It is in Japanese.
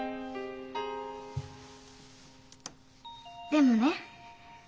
でもね